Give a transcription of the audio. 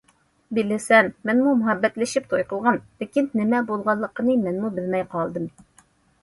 بىلىسەن، مەنمۇ مۇھەببەتلىشىپ توي قىلغان، لېكىن نېمە بولغانلىقىنى مەنمۇ بىلمەي قالدىم.